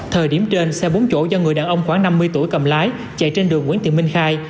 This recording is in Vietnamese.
thời điểm trên xe bốn chỗ do người đàn ông khoảng năm mươi tuổi cầm lái chạy trên đường nguyễn thị minh khai